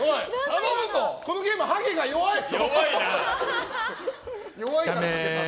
このゲーム、ハゲが弱いぞ。